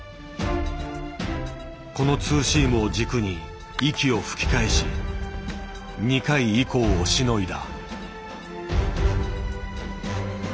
このツーシームを軸に息を吹き返し２回以降をしのいだ。